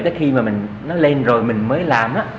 tới khi mà nó lên rồi mình mới làm